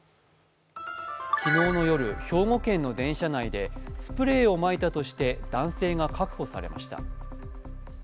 昨日の夜、兵庫県の電車内でスプレーをまいたとして男性が確保されました。